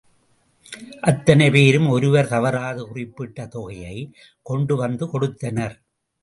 அத்தனை பேரும் ஒருவர் தவறாது குறிப்பிட்ட தொகையைக் கொண்டுவந்து கொடுத்தனர்.